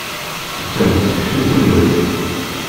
Ttettemt seksu s lleft.